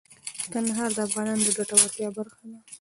کندهار د افغانانو د ګټورتیا برخه ده.